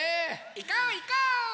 いこういこう！